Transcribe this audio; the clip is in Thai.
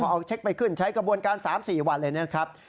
เอาเช็คไปขึ้นใช้กระบวนการ๓๔วันเลยนะครับ